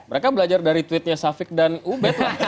mereka belajar dari tweet nya safik dan ubet lah